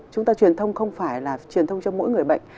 chúng ta truyền thông không phải là truyền thông cho mỗi người bệnh